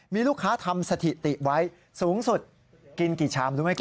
มีลูกค้าทำสถิติไว้สูงสุดกินกี่ชามรู้ไหมก